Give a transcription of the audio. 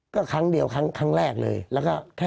ก็ครั้งเดียวครั้งแรกเลยแล้วก็